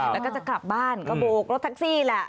แล้วก็จะกลับบ้านก็โบกรถแท็กซี่แหละ